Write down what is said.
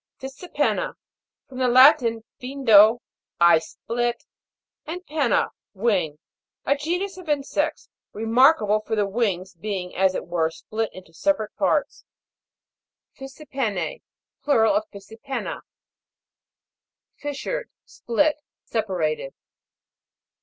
FISSJPEN'NA. From the Latin, Jindo, I split, and penna, wing. A genus of insects, remarkable for the wings being as it were split into separate parts. FISSIPEN'N*:. Plural of Fissipenna. FIS'SURED. Split, separated.